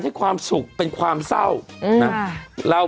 ให้ความสุขเป็นความเศร้านะ